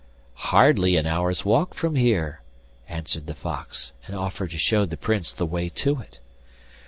'Hardly an hour's walk from here,' answered the fox, and offered to show the Prince the way to it.